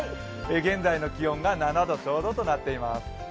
現在の気温が７度ちょうどとなっています。